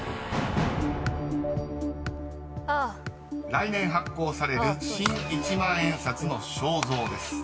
［来年発行される新一万円札の肖像です］